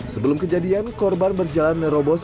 sebelum kejadian korban berjalan merobos